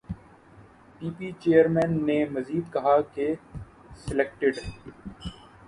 پی P chairman نے مزید کہا کہ سلیکٹڈ